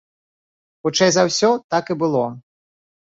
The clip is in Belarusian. Хутчэй за ўсё, так і было.